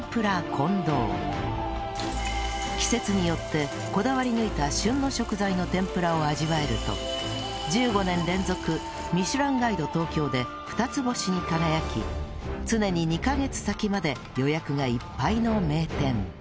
季節によってこだわり抜いた旬の食材の天ぷらを味わえると１５年連続ミシュランガイド東京で二つ星に輝き常に２カ月先まで予約がいっぱいの名店